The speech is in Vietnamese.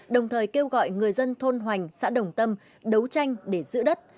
đồng thời kêu gọi người dân thôn hoành xã đồng tâm đấu tranh để giữ đất